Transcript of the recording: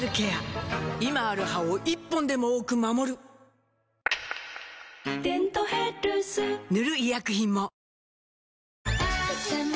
今ある歯を１本でも多く守る「デントヘルス」塗る医薬品も